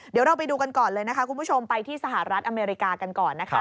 เดี๋ยวเราไปดูกันก่อนเลยนะคะคุณผู้ชมไปที่สหรัฐอเมริกากันก่อนนะคะ